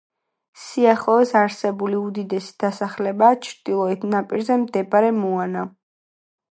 სიახლოვეს არსებული უდიდესი დასახლებაა ჩრდილოეთ ნაპირზე მდებარე მოანა.